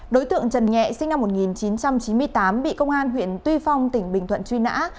đối tượng trần nhẹ sinh năm một nghìn chín trăm chín mươi tám bị công an huyện tuy phong tỉnh bình thuận truy nã